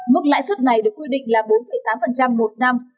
mức lãi suất này được quy định là bốn tám một năm